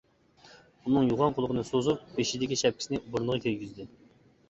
ئۇنىڭ يوغان قۇلىقىنى سوزۇپ، بېشىدىكى شەپكىسىنى بۇرنىغا كىيگۈزدى.